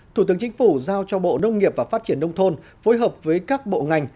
thủ tướng chính phủ giao cho bộ nông nghiệp và phát triển nông thôn phối hợp với các bộ ngành